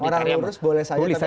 orang lurus boleh saja